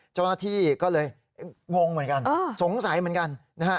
เจ้าหน้าที่ก็เลยงงเหมือนกันสงสัยเหมือนกันนะฮะ